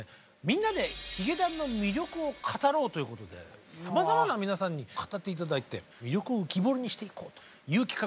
「みんなでヒゲダンの魅力を語ろう」ということでさまざまな皆さんに語って頂いて魅力を浮き彫りにしていこうという企画でございます。